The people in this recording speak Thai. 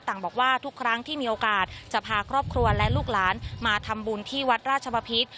บอกว่าทุกครั้งที่มีโอกาสจะพาครอบครัวและลูกหลานมาทำบุญที่วัดราชบพิษ